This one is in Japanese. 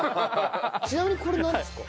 ちなみにこれなんですか？